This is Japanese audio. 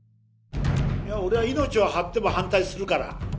俺は命を張っても反対するから。